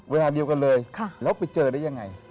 เวลาเดียวกันเลยแล้วไปเจอได้ยังไง